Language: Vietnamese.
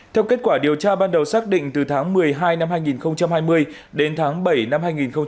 theo kết quả điều tra ban đầu xác định từ tháng một mươi hai năm hai nghìn hai mươi đến tháng bảy năm hai nghìn hai mươi